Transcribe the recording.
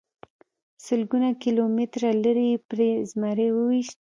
سلګونه کیلومتره لرې یې پرې زمری وويشت.